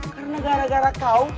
karena gara gara kau